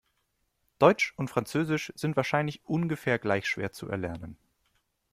Deutsch und Französisch sind wahrscheinlich ungefähr gleich schwer zu erlernen.